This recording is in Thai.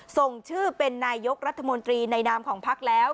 ส่งชื่อเป็นนายกรัฐมนตรีในนามของพักแล้ว